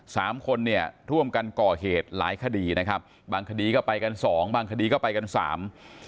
สามคนเนี่ยร่วมกันก่อเหตุหลายคดีนะครับบางคดีก็ไปกันสองบางคดีก็ไปกันสาม